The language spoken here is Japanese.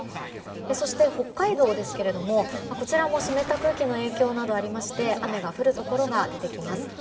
そして、北海道ですけどもこちらも湿った空気の影響などありまして雨が降るところが出てきます。